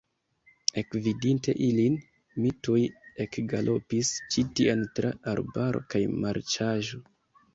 Ekvidinte ilin, mi tuj ekgalopis ĉi tien tra arbaro kaj marĉaĵo.